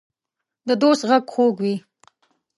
د دوست غږ خوږ وي.